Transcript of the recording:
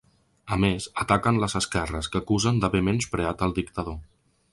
A més, ataquen les esquerres, que acusen d’haver menyspreat el dictador.